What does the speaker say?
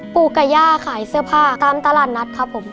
ปู่กับย่าขายเสื้อผ้าตามตลาดนัดครับผม